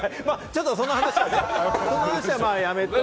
その話はやめておいて。